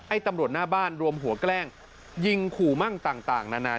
ตำรวจหน้าบ้านรวมหัวแกล้งยิงขู่มั่งต่างนานา